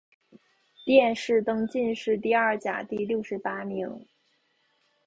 殿试登进士第二甲第六十八名。